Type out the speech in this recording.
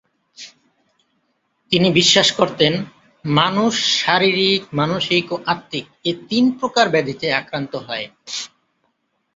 তিনি বিশ্বাস করতেন: মানুষ শারীরিক, মানসিক ও আত্মিক এ তিন প্রকার ব্যাধিতে আক্রান্ত হয়।